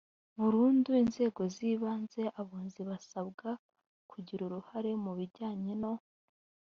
burundu inzego z ibanze abunzi basabwa kugira uruhare mu bijyanye no